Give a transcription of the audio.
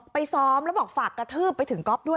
ซ้อมแล้วบอกฝากกระทืบไปถึงก๊อฟด้วย